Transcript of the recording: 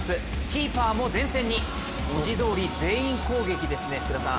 キーパーも前線に文字どおり全員攻撃ですね。